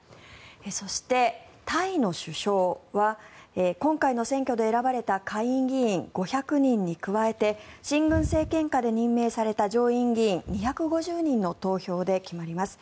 そして、タイの首相は今回の選挙で選ばれた下院議員５００人に加えて親軍政権下で任命された上院議員２５０人の投票で決まります。